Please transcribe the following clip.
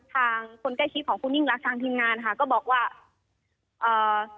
ทางคนใกล้ชีฟของคุณนิ่งรักทางทีมงานนะคะก็บอกว่าอ่า